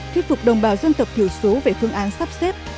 thuyết phục đồng bào dân tộc thiểu số về phương án sắp xếp